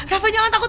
rafa jangan takut